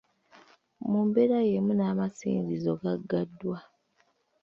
Mu mbeera y'emu n’amasinzizo gaggaddwa.